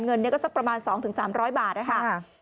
เงินก็สักประมาณ๒๓๐๐บาทนะคะ